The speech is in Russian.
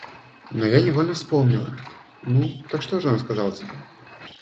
Но я невольно вспомнила... Ну, так что же он сказал тебе?